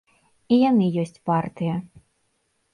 І яны ёсць партыя.